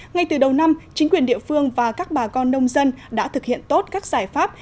ngay từ đầu năm chính quyền địa phương và các bà con nông dân đã thực hiện tốt các giải pháp